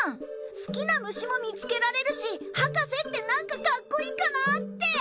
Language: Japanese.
好きな虫も見つけられるし博士ってなんかかっこいいかなって。